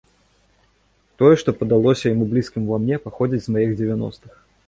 Тое, што падалося яму блізкім ува мне, паходзіць з маіх дзевяностых.